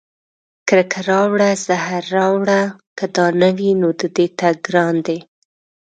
کرکه راوړه زهر راوړه که دا نه وي، نو د دې تګ ګران دی